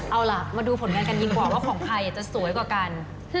เอาล่ะมาดูผลงานกันดีกว่าว่าของใครจะสวยกว่ากัน